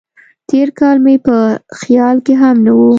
تېر کال مې په خیال کې هم نه و.